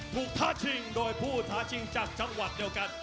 ท้าชิงโดยผู้ท้าชิงจากจังหวัดเดียวกัน